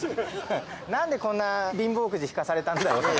何でこんな貧乏くじ引かされたんだろうね